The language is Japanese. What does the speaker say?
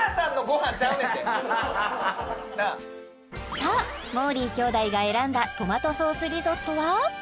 さあもーりー兄弟が選んだトマトソースリゾットは？